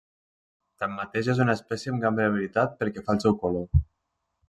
Tanmateix és una espècie amb gran variabilitat pel que fa al seu color.